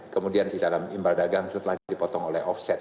kemudian sisal imbal dagang setelah dipotong oleh offset